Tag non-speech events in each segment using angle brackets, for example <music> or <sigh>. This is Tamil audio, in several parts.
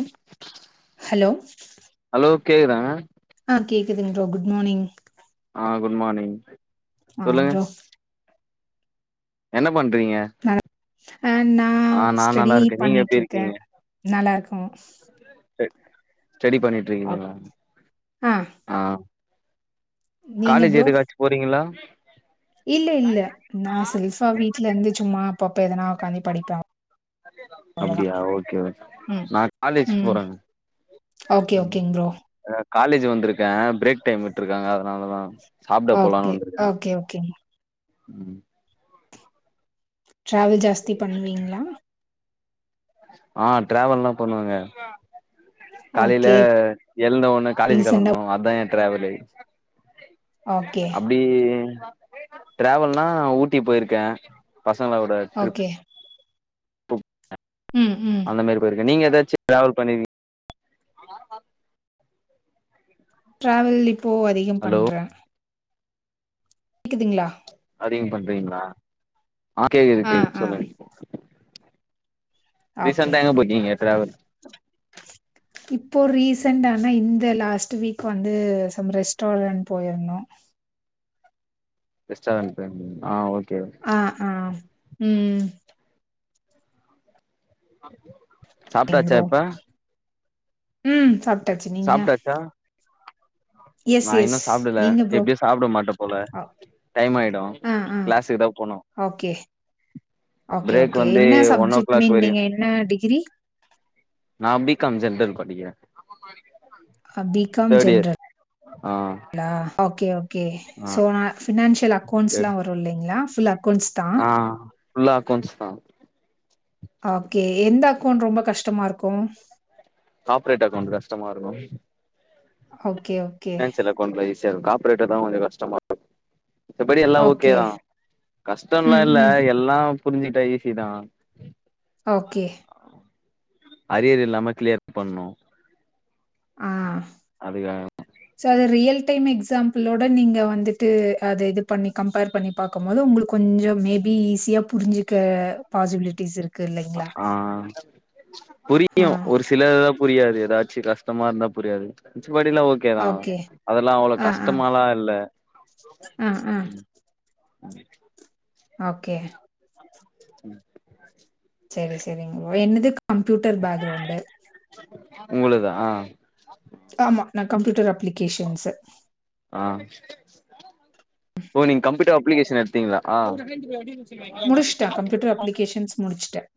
ம் ஹலோ கே தா அ கேக்குதுங்க ப்ரோ குட் மார்னிங் அ குட் மார்னிங் அ சொல்லுங்க ப்ரோ என்ன பண்றீங்க அ அ நா ஆ நா ஸ்டடி நல்லா இருக்கே நீங்க எப்டி பண்ணிட்ருக்க இருக்கீங்க நல்லாருக் ம் சேர் ஸ்டடி பண்ணிட்ருக்கீங்ளா ஆ அ நீங்க காலேஜ் ப்ரோ எதுக்காச்சி போறீங்ளா இல்ல இல்ல நா செல்ஃபா வீட்லந்து சும்மா அப்பப்ப எதனா ஒக்காந்தி படிப்ப அவ் அப்டியா ஓகே ஓகே ம் நா காலேஜ் ம் போறங்க ஓகே ஓகேங் ப்ரோ காலேஜி வந்துருக்க பிரேக் டைம் விட்ருக்காங்க அதனாலதா சாப்ட போலான்னு ஓகே வந்திருக்கே ஓகே ஓகேங் ம் ட்ராவல் ஜாஸ்தி பண்ணுவீங்ளா அ டிராவல்லா பண்ணுவங்க காலைல ஓகே எல்ந்த ஒண்ணோ காலேஜி ரீசண்டா கெளம்பனோ அதா எ டிராவலே ஓகே அப்டி டிராவல்னா ஊட்டி போயிருக்க பசங்களோட ட்ரிப் ஓகே ம் ம் இதல நீங்க ஏதாச்சி டிராவல் பண்ணிருக்கீங ட்ராவல் இப்போ அதிகம் ஹலோ பண்ற கேக்குதுங்ளா அதிகம் பண்றீங்ளா அ கேக்குது ஆ கேக்குது ஆ சொல்லுங்க ஓகே ரீசன்டா எங்க போயிருக்கீங்க ட்ராவல் இப்ப ரீசன்ட்டான இந்த லாஸ்ட் வீக் வந்து சம் ரெஸ்டாரெண்ட் போயிருந்தோ ரெஸ்டாரெண்ட் போயிருந்தீங்ளா அ ஓக் அ அ ம் சரிங்க சாப்ட்டாச்சா ப்ரோ. இப்ப ம் சாப்ட்டாச்சி நீங்க சாப்ட்டாச்சா எஸ், நா இன்னு எஸ். சாப்டல நீங்க ப்ரோ? எப்டியு சாப்ட மாட்ட போல அ, டைம் ஆயிடு ஆ, ஆ. கிளாஸுக்கு தா போனோ ஓகே. ஓகே ஓகே என்ன ஒன் ஓ சப்ஜெக்ட் கிளாக் வரையு நீங்க என்ன டிகிரி நா பிகாம் ஜென்ரல் படிக்கற அ பிகாம் ஜென்ரல் ஆ லா ஓகே ஓகே ஆ சோ நா ஃபினான்சியல் அக்கௌண்ஸ்ல்லா வரு இல்லைங்ளா அ ஃபுல்ல அக்கௌண்ஸ் தா ஓகே எந்த அக்கௌண்ட் ரொம்ப கஷ்டமாருக்கு காப்பரேட் அக்கௌண்ட் கஷ்டமாருக்கு அவ் ஃபினான்சியல் அக்கௌண்ட்லா ஈசியார் காப்பரேட்டர் தா கொஞ்சோ கஷ்டமார் த்தபடி எல்லா ஓகே. ஓகேதா கஷ்டல்லா ம், இல்ல ம். எல்லா புரிஞ்சிட்டா ஈசி தா ஓகே அரியர் இல்லாம க்ளியர் பண்ணூ ஆ ச அது ரியல் டைம் எக்ஸாம்பிளோட நீங்க வந்துட்டு அது இது பண்ணி கம்பேர் பண்ணி பாக்கும்போது உங்களுக்கு கொஞ்சோ மேப் பி ஈஸியா புரிஞ்சிக்க பாசிபிலிட்டிஸ் இருக் அ ஆ ஆ. புரியூ ஒரு சில புரியாது எதாச்சு கஷ்டமார்ந்தா புரியாது த் படியிலா ஓகேதா ஓகே. அதெல்லா அவ்ளோ கஷ்டமாலா இல்ல அ ஆ ஓகே ம் செரி செரிங் என்னுது கம்ப்யூட்டர் பேக்ரௌண்டு உங்களுதா ஆமா நா கம்ப்யூட்டர் அப்ளிகேஷன்ஸு ஆ ஓ நீங்க கம்ப்யூட்டர் அப்ளிகேஷன் எடுத்தீங்ளா முடிச்சுட்டேன். கம்ப்யூட்டர் அப்ளிகேஷன்ஸ் முடிச்சுட்டேன்.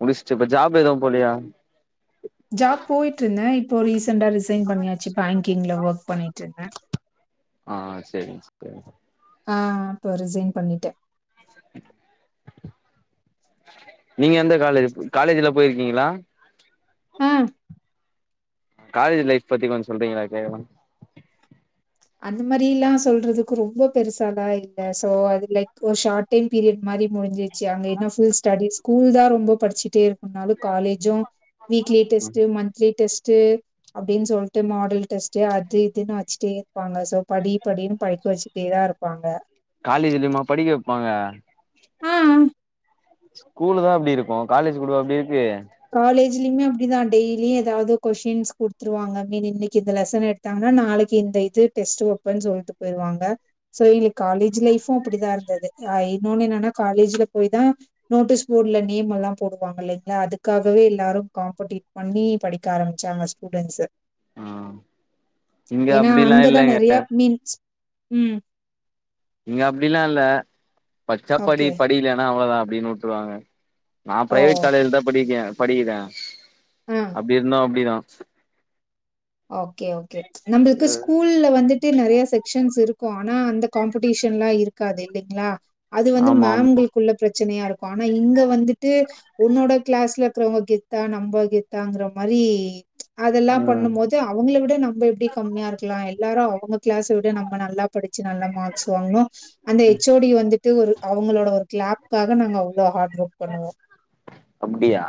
முடிச்ட்டு இப்ப ஜாப் எதா போலியா ஜாப் போயிட்ருந்தே இப்போ ரீசண்ட்டா ரிசைன் பண்ணியா ச்சி பேங்கிங்ல ஒர்க் பண்ணிட்ருந்த ஆ செரிங்ஸ்ட ஆ அப்போ ரிசைன் பண்ணிட்டே நீங்க எந்த காலேஜுப் காலேஜ்லா போயிருக்கீங்ளா ஆ காலேஜ் லைஃப் பத்தி கொஞ்சோ சொல்றீங்களா கேக்கலா அந்த மாரிலா சொல்றதுக்கு ரொம்ப பெருசாலா இல்ல சோ அது லைக் ஒரு ஷார்ட் டைம் பீரியட் மா அதிக் முடிஞ்சிச்சு அங்க என்ன ஃபுல் ஸ்டடிஸ் ஸ்கூல் தா ரொம்ப படிச்சிட்டே இரு உன்னாலு college weekly test monthly test டு அப்டின் சொல்ட்டு மாடல் டெஸ்ட்டு அது இதுன் வச்ட்டே பாங்க சோ படி படின் படிக்க வச்ட்டேதா இருப்பாங்க காலேஜிலயுமா படிக்க வெப்பாங்க ஆ ஸ்கூலு தா அப்டி இருக்கூ காலேஜ் கூடவா அப்டிருக்கு ஈலியுமே அப்டிதா டெய்லியு ஏதாவ்து கொஷின்ஸ் குடுத்துருவாங்க இன்னிக்கு இந்த லெசன் எடுத்தாங்கனா நாளைக்கு இந் த இது டெஸ்ட்டு வெப்போன் சொல்ட்டு போயிருவாங்க சோ இ காலேஜ் லைஃபூ அப்டிதா இருந்தது ஆ இன்னோ னொன்னு என்னனா காலேஜ்ல போய் தா நோட்டீஸ் போர்ட்ல நேம் எல்லா போடுவாங்க இல்லைங்ளா அதுக் க்காகவே எல்லாரு காம்படிட் பண்ணி படிக்க ஆரம்ச்சாங்க ஸ்டூடெண்ட்ஸு ம் இங்க ஏனா அப்டிலா அங்கதா இல்லங்க நறைய மீன்ஸ் ம் இங்க அப்டிலா இல்ல பச்சாப்படி ஓகே படிக்லனா அவ்ளதா அப்டின் வுட்ருவாங்க நா ஓ ப்ரைவேட் காலேஜ்ல தா படிக்கே படிக்கிறே ஆ அப்டி இருந்தூ அப்டிதா ஓகே ஓகே நம்மள்கு ஸ்கூல்ல வந்துட்டு நறைய செக்ஷன்ஸ் இருக் க்கூ ஆனா அந்த காம்படிஷன்லா இருக்காது இல்லிங்களா அது வந்து ஆமா ஆமா மேம்களுக்குள்ள ப்ரச் சினையாருக்கூ ஆனா இங்க வந்துட்டு உன்னோட கிளாஸ்லரக்கிறவங்க கெத்தா நம்ம கெத்தாங்கிற மாரி ஈ அதுல்லா ம் பண்ணும் போது அவுங்கள விட நம்ம எப்டி கம்மியா இருக்லா எல்லாரு அவுங்க கிளாஸ விட நம்ம நல்லா படிச்சு நல்ல மார்க்ஸ் வாங்கனு அந்த ஹச் ஓ டி வந்து ட்டு ஒரு அவங்களோட ஒரு கிளாப்காக நாங்க அவ்ளோ ஹா அப்டியா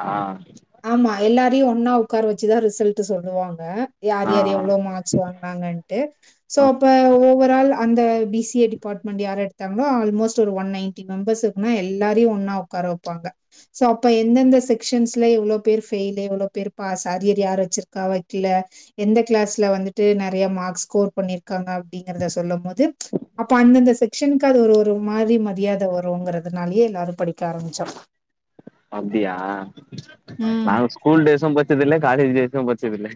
எல்லாரையு ஒன்னா உட்கார வெச்சுதா ரிசல்ட்டு சொல்லுவாங்க யார் ஆ யார் எவ்வளோ மார்க்ஸ் வாங்குனாங்கட்டு சோ அப்ப ஒவ்வொரு ஆல் அந்த பி சி ஏ டிபார்ட்மெண்ட் யார் எடுத்தாங்களோ ஆல்மோஸ்ட் ஒரு ஒன் நைன்டி மெம்பர்ஸ் இருக்குனா எல்லாரையு ஒன் னா உக்கார வைப்பாங்க சோ அப்ப எந்தெந்த செக்ஷன்ஸ்ல எவ்ளோ பேர் ஃபெயிலு எவ்ளோ பேர் பாஸ் அரியரிய யார் வச்சிருக்கா வைக்கல எந்த கிளாஸ்ல வந்துட்டு நிறைய மார்க்ஸ் ஸ்கோர் பண்ணியிருக்காங்க அப்படிங்கறத சொல்லும் போது அப்ப அந்தந்த செக்ஷனுக்கு அது ஒரு ஒரு மாரி மரியாதை வருங்கிறதுனாலயே எல்லாரு படிக்க ஆரம்பிச்சோ அப்டியா நாங்க ஸ்கூல் டேய்சும் படிச்சது இல்ல காலேஜ் டேய்சும் படிச்சது இல்ல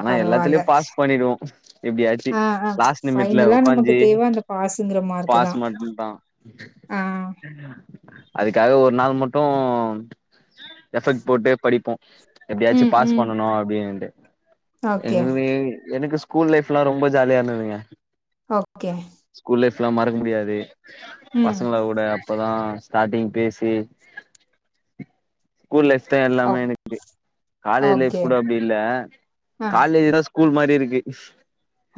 ஆனா பரவால்ல. எல்லாத்துலயு பாஸ் பண்ணிடுவோ எப்டியாச்சு ஆ, ஆ. லாஸ்ட் நிமிட்ல ஃபைனலா நமக்கு உக்காஞ்சு தேவ அந்த பாஸுங்கிற மார்க்கு பாஸ் தான். மட்டுன்தா ஆ. அதுக்காக ஒரு நாள் மட் தோம் எஃபெக்ட் போட்டு படிப்போ எப்டியாச்சு ம், பாஸ் ம். பண்ணனு அப்டின்ட்டு ஓகே, எங்களு எனக்கு ஸ்கூல் லைஃப்ல்லா ரொம்ப ஜாலியா இருந்ததுங்க ஓகே ல்லாம் மறக்க முடியாது ம். பசங்கள கூட அப்பதா ஸ்டார்ட்டிங் பேசி ஸ்கூல் லைஃப் ஸ்டர் ஓ எல்லாமே எனக்கு காலேஜ் லைஃப் ஓகே. கூட அப்டி இல்ல ஆ. காலேஜ்ல ஸ்கூல் மாரி இருக்கு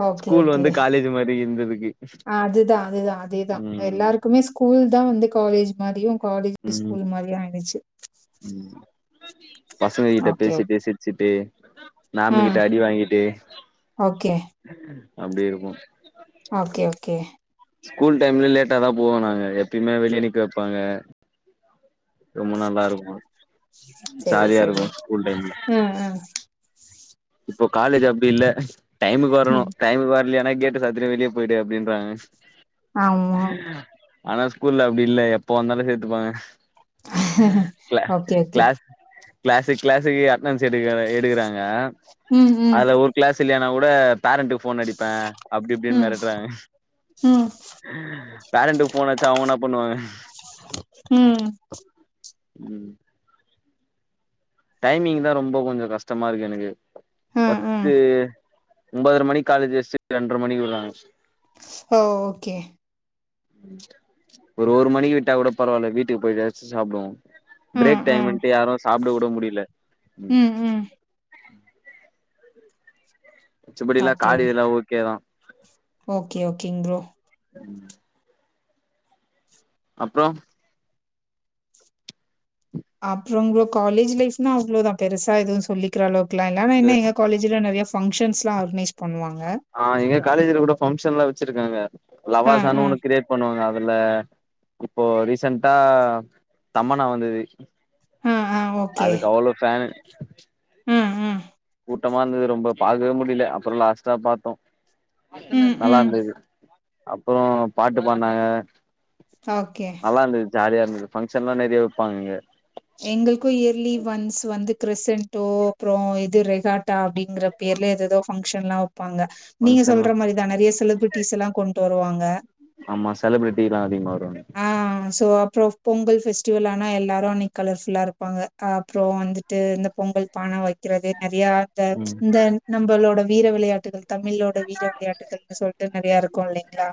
ஓகே ஸ்கூல் ஓகே வந்து காலேஜ் மாரி இருந்ததுக்கு அதுதா அதுதா அதேதா ம் எல்லாருக்குமே ஸ்கூல் தா வந்து காலேஜ் மாரியு காலேஜ் ம் ஸ்கூல் மாதிரியு ஆயிடுச்சு ம் பசங்க கிட்ட ஓகே. பேசிட்டு சிரிச்சுட்டு ஆ. மாம் கிட்ட அடி வாங்கிட்டு ஓகே, அப்டி இருக்கு ஓகே ஓகே ஸ்கூல் டைம்ல லேட்டாதா போவோ நாங்க எப்பயுமே வெளிய நிக்க வெப்பாங்க ரொம்ப நல்லா இருக்கு சரி, ஜாலியா சரி. இருக்கு ஸ்கூல் டைம்ல ம், ம், இப்போ காலேஜ் அப்டி இல்ல டைமுக்கு வரணு ம். டைமுக்கு வர்லையா கேட்ட சாத்திட்டு வெளிய போயிடு அப்டின்றாங்க ஆமா ஆனா ஸ்கூல்ல அப்டி இல்ல எப்ப வந்தாலு சேத்துப்பாங்க கிளா ஓகே ஓகே கிளாஸ் கிளாஸு கிளாஸுக்கு அட்டனன்ஸ் எடுக்க எடுக்கிறாங்க ம், ம், அதுல ஒரு கிளாஸ் இல்லைனா கூட பேரண்ட்டுக்கு ஃபோன் அடிப்பே அப்டி இப்டினு ம், மிரட்டுறாங்க ம், ம், பேரண்ட்டுக்கு ஃபோன் அடிச்சா அவுங்க என்ன பண்ணுவாங்க ம் ம் டைமிங்தா ரொம்ப கொஞ்சோ கஷ்டமா இருக்கு எனக்கு ம், பத்து ம். ஒன்பதுரை மணி காலேஜ் வெஸ்ட்டு இரண்டரை மணிக்கு விட்றாங்க ஓ ஓகே ஒரு ஒரு மணிக்கு விட்டா கூட பரவால்ல வீட்டுக்கு போய்யாச்சு சாப்டுவோ ம், பிரேக் ம், டைமுன்ட்டு யாரு சாப்ட கூட முடியல ம் ம் மிச்சபடி எல்லா ஓகே. காடு இதெல்லா ஓகேதா ஓகே ஓகேங் ப்ரோ அப்றோ அப்றோ ப்ரோ காலேஜ் லைஃப்னா அவ்ளோதா பெருசா எது சொல்லிக்கிற அளவு இருக்கலா இல்லனா என்ன எஸ் எங்க காலேஜ்ல நெறயா ஃபங்க்ஷன்ஸ் எல்லா ஆர்கனைஸ் பண்ணுவாங்க வெச்சிருக்காங்க ஆ, லவாசான ஆ, ஒன்னு கிரியேட் பண்ணுவாங்க அதுல இப்போ ரீசன்டா தம்மனா வந்தது ஆ, ஆ, ஓகே. அதுக்கு அவ்ளோ ஃபேனு ம், ம், சுட்டமா இருந்தது ரொம்ப பாக்வே முடில அப்றோ லாஸ்ட்டா பாத்தோ ம், நல்லா ம். இருந்தது அப்றோ பாட்டு பாடுனாங்க ஓகே. நல்லா இருந்துச் ஜாலியா இருந்து ஃபங்க்ஷன்ல்லா நெறய வெப்பாங்க அங்க எங்களுக்கு இயர்லி ஒன்ஸ் வந்து கிரிசன்டோ அப்றோ இது ரெகாட்டா அப்டிங்கிற பேர்ல எதெதோ ஃபங்க்ஷன் எல்லா ப்பாங்க நீங்க ஃபங்க்ஷன்லா சொல்ற மாரிதா நெறய செலிபிரிட்டிஸ் எல்லா கொண்டு வருவாங்க ஆமா செலிபிரிட்டி எல்லா அதிகமா வருவாங்க ப்றோ பொங்கல் ஃபஸ்டிவல்னா எல்லாரு அனை கலர் ஃபுல்லா இருப்பாங்க அப்றோ வந்துட்டு அந்த பொங்கல் பான வெக்கிறது நெறயா இந்த ம் இந்த நம்மளோட வீர விளையாட்டுகள் தமிழ் ஓட வீர விளையாட்டுகள்ன்னு சொல்ட்டு நெறயா இருக்கு இல்லைங்ளா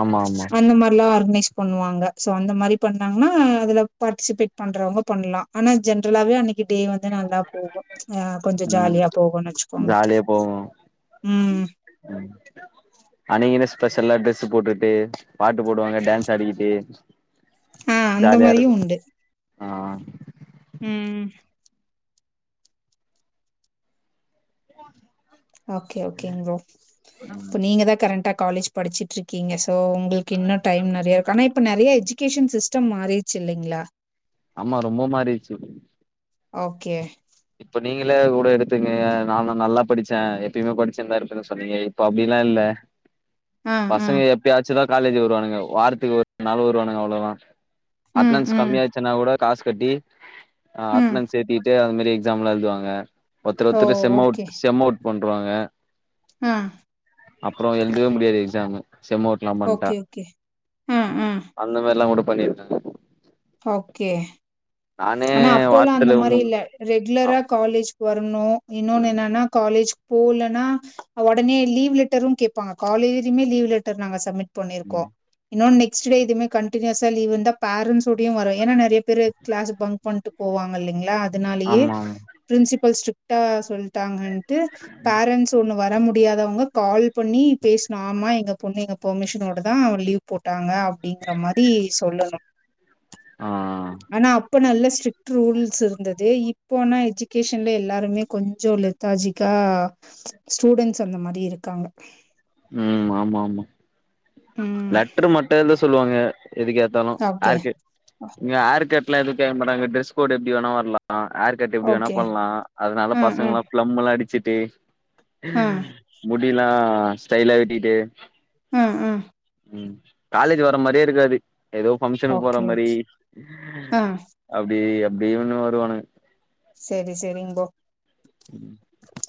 ஆமா ஆமா அந்த மாரில்லா ஆர்கனைஸ் பண்ணுவாங்க சோ அந்த மாரி பண்ணாங்கன்னா அதுல பார்ட்டிசிபேட் பண்றவங்க பண்லா ஆனா ஜென்ரலாவே அன்னைக்கு டே வந்து நல்லா போகு ஆ கொஞ்சோ ஜாலியா போகுனு வெச்சுக்கோங்க அன்னைக்கு என்ன சொ ஸ்பெஷல்லா ட்ரெஸு போட்டுட்டு பாட்டு போடுவாங்க டான்ஸ் ஆடிக்கிட்டு ஆ அந்த ஜாலியா மாரியு இருக்கு உண்டு ஆ ம் ஆஹ ஓகே ஓகேங் ப்ரோ ம் இப்ப நீங்கதா கரண்டா காலேஜ் படிச்சிட்டு இருக்கீங்க சோ உங்களுக்கு இன்னு டைம் நெறயா இருக்கு ஆனா இப்ப நெறயா எஜுகேஷன் சிஸ்டம் மாறிடுச்சு இல்லைங்ளா ஆமா ரொம்ப மாறிச்சு ஓகே இப்ப நீங்களே கூட எடுத்துங்க நாங்க நல்லா படிச்சேன் எப்பயுமே படிச்சின்னுதா இருப்பன்னு சொன்னீங்க இப்ப அப்டில்லா இல்ல ஆ ஆ பசங்க எப்யாச்சுதா காலேஜ் வருவானுங்க வாரத்துக்கு <inaudible> வருவானுங்க அவ்ளதா ம் அட்னன்ஸ் ம் கம்மியாச்சுனா கூட காசு கட்டி ம் அட்னன்ஸ் ஏத்திட்டு அது மாரி எக்ஸாம் எல்லா எழுதுவாங்க ஒருத்தர் ஓ ஒருத்தர் செம் அவுட் ஓகே செம் அவுட் பண்ருவாங்க ஆ அப்றோ எழுதவே முடியாது எக்ஸாமு செம் அவுட்ல்லாம் பண்ட்டா ஓகே ஓகே ஆ ஆ அந்த மாரில்லா கூட பண்ணிருக்காங்க ஓகே நானே ஆனா அப்போல்லா அந்த வாரத்துல மாரி முன் இல்ல ஆ ரெகுலரா காலேஜ்க்கு வரணு இன்னொன்னு ம் என்னனா காலேஜ் போலன்னா ஒடனே லீவ் லெட்டரு கேப்பாங்க காலேஜ்லயுமே லீவ் லெட்டர் நாங்க சப்மிட் பண்ணிருக்கோ இன்னோனு நெக்ஸ்ட் டே இது மா கன்டினியூஸா லீவ் வந்தா பேரன்ட்ஸோடயு வரு ஏனா நெறய பேர் கிளாஸ் பங்க் பண்ட்டு போவாங்க இல்லைங்ளா அதனாலயே ஆமா ஆமா பிரின்சிபல் ஸ்ட்ரிக்டா சொல் ட்டாங்கட்டு பேரன்ட்ஸ் ஒண்ணு வ வர முடியாதவங்க கால் பண்ணி பேசனு ஆமா எங்க பொண்ணு எங்க பெர்மிஷனோடதா லீவ் போட்டாங்க அப்டிங்கற மாரி சொல்லனு ஆ ஆனா அப்ப நல்ல ஸ்ட்ரிக்ட் ரூல்ஸ் இருந்தது இப்போ ஆனா எஜுகேஷன்ல எல்லாருமே கொஞ்சோ லெத்தா ஜிக்கா ஸ்டூடென்ஸ் அந்த மாரி இருக்காங்க ம் ஆமா ஆமா ம். லெட்டரு மட்டு எதோ சொல்லுவாங்க எதுக்கு எத்தாலு ஓகே. ஆர்கெட் இங்க ஆர்கெட்ல்லா எது கேக்க மாட்டாங்க டிரெஸ் கோடு் எப்டி வேணா வரலா ஆ ஹேர் கட் எப்டி வேணா ஓகே. பண்லா அதனால அ, அ, பசங்க எல்லா பிளம் எல்லா அடிச்சிட்டு அ, முடியெல்லா ஸ்டைலா வெட்டிட்டு ம் ஹும் காலேஜ் வர மாரியே இருக்காது ஏதோ பங்க்ஷனுக்கு போற ஓகே, மாரி ஓகே. ஆ. அப்டி அப்டினு வருவானு செரி செரிங் போ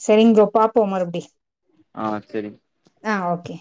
செரிங் ப்ரோ பாப்போ மறுபடி ஆஹ் செரி ஆஹ் ஓகே